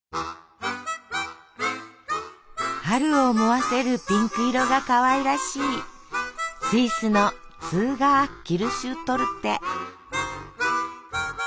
春を思わせるピンク色がかわいらしいスイスのツーガー・キルシュトルテ。